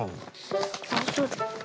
あっそうだ。